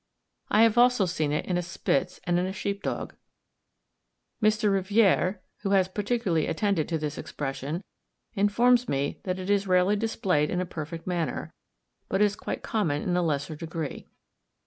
I have also seen it in a Spitz and in a sheep dog. Mr. Riviere, who has particularly attended to this expression, informs me that it is rarely displayed in a perfect manner, but is quite common in a lesser degree.